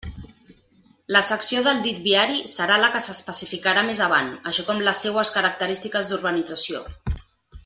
La secció del dit viari serà la que s'especificarà més avant, així com les seues característiques d'urbanització.